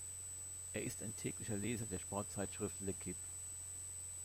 Er ist ein täglicher Leser der Sportzeitschrift L’Équipe.